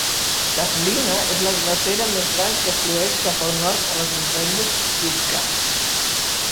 Tazlina és la glacera més gran que flueix cap al nord a les muntanyes Chugach.